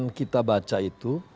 terpaan kita baca itu